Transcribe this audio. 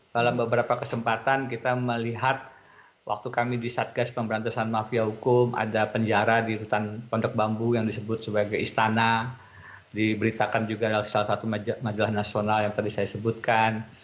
dalam beberapa kesempatan kita melihat waktu kami di satgas pemberantasan mafia hukum ada penjara di rutan pondok bambu yang disebut sebagai istana diberitakan juga dalam salah satu majalah nasional yang tadi saya sebutkan